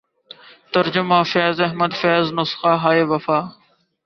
ترجمہ فیض احمد فیض نسخہ ہائے وفا